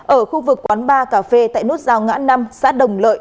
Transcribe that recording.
ở khu vực quán bar cà phê tại nốt rào ngã năm xã đồng lợi